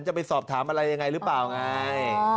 จะไปสอบถามอะไรยังไงหรือเปล่าไง